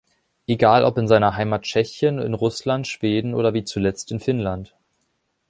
Egal ob in seiner Heimat Tschechien, in Russland, Schweden oder wie zuletzt in Finnland.